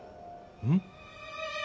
うん？